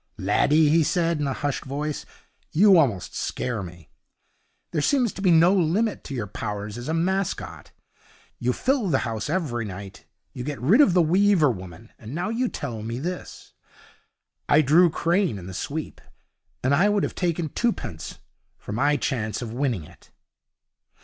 'Laddie,' he said, in a hushed voice, 'you almost scare me. There seems to be no limit to your powers as a mascot. You fill the house every night, you get rid of the Weaver woman, and now you tell me this. I drew Crane in the sweep, and I would have taken twopence for my chance of winning it.'